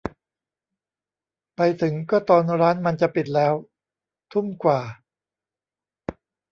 ไปถึงก็ตอนร้านมันจะปิดแล้ว ทุ่มกว่า